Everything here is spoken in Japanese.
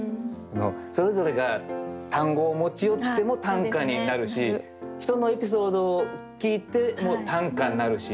それぞれが単語を持ち寄っても短歌になるし人のエピソードを聞いても短歌になるし。